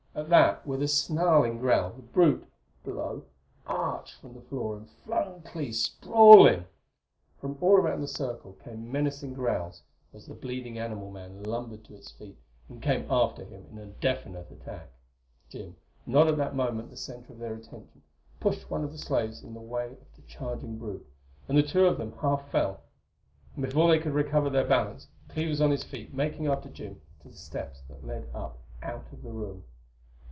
At that, with a snarling growl the brute below arched from the floor and flung Clee sprawling. From all around the circle came menacing growls as the bleeding animal man lumbered to its feet and came after him in a definite attack. Jim, not at that moment the center of their attention, pushed one of the slaves in the way of the charging brute and the two of them half fell; and before they could recover their balance Clee was on his feet making after Jim to the steps that led up out of the room.